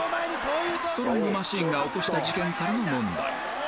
ストロング・マシンが起こした事件からの問題